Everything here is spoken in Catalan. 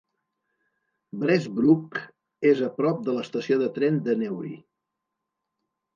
Bessbrook és a prop de l'estació de tren de Newry.